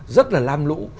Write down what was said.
rất là lam lũ